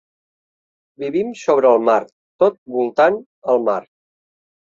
Vivim sobre el mar, tot voltant el mar.